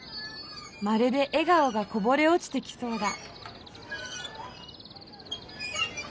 まるでえ顔がこぼれおちてきそうだ。